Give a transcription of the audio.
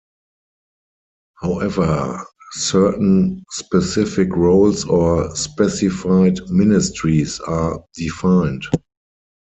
However, certain specific roles or "specified ministries" are defined.